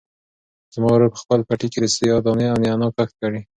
زما ورور په خپل پټي کې د سیاه دانې او نعناع کښت کړی.